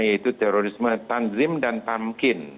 yaitu terorisme tandrim dan tamkin